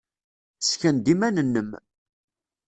Ssken-d iman-nnem.